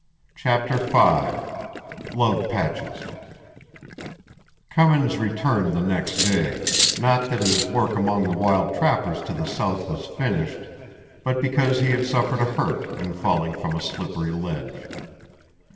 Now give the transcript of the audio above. CHAPTER V LOVE PATCHES Cummins returned the next day not that his work among the wild trappers to the south was finished, but because he had suffered a hurt in falling from a slippery ledge.